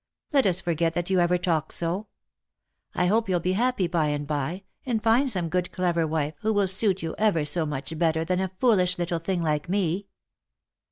Let us forget that you ever talked so. I hope you'll be happy by and by, and find some good clever wife, who will suit you ever so much better than a foolish little thing like me."